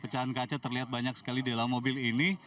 pecahan kaca terlihat banyak sekali di dalam mobil ini